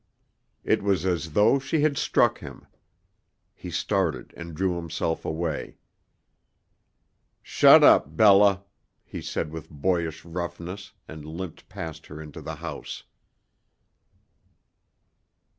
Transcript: It was as though she had struck him. He started and drew himself away. "Shut up, Bella," he said with boyish roughness and limped past her into the house.